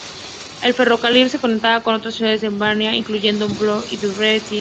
El ferrocarril se conectaba con otras ciudades en Albania, incluyendo Vlorë y Durrës.